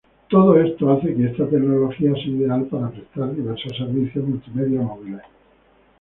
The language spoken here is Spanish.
Todo esto hace que esta tecnología sea ideal para prestar diversos servicios multimedia móviles.